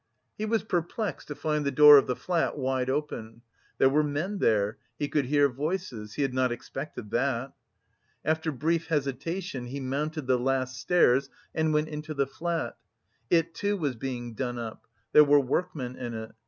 He was perplexed to find the door of the flat wide open. There were men there, he could hear voices; he had not expected that. After brief hesitation he mounted the last stairs and went into the flat. It, too, was being done up; there were workmen in it.